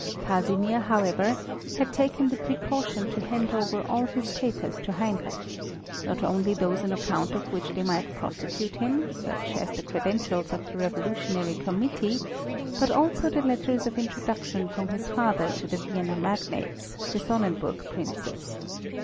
Casimir, however, had taken the precaution to hand over all his papers to Heinrich, not only those on account of which they might prosecute him, such as the credentials of the revolutionary committee, but also the letters of introduction from his father to the Vienna magnates, the Sonnenburg princes.